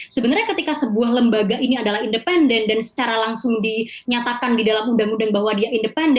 sebenarnya ketika sebuah lembaga ini adalah independen dan secara langsung dinyatakan di dalam undang undang bahwa dia independen